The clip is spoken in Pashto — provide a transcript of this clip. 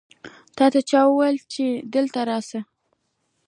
تا ته چا وویل چې دلته راسه؟